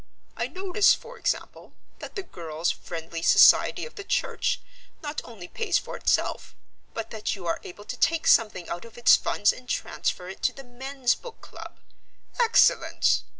I notice, for example, that the Girls' Friendly Society of the church not only pays for itself, but that you are able to take something out of its funds and transfer it to the Men's Book Club. Excellent!